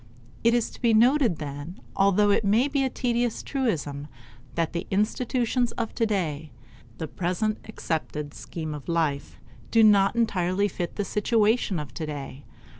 It is to be noted then, although it may be a tedious truism, that the institutions of today the present accepted scheme of life do not entirely fit the situation of today.